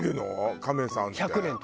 カメさんって。